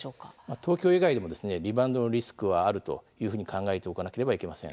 東京以外でもリバウンドのリスクはあると考えておかなければいけません。